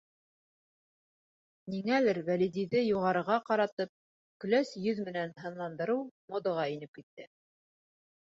Ниңәлер Вәлидиҙе юғарыға ҡаратып, көләс йөҙ менән һынландырыу модаға инеп китте.